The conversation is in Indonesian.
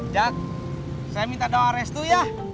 jak saya minta doa restu ya